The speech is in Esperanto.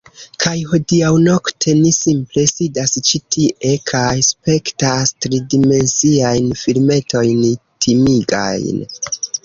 Kaj hodiaŭnokte ni simple sidas ĉi tie kaj spektas tridimensiajn filmetojn timigajn